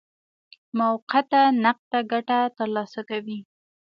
موقته نقده ګټه ترلاسه کوي.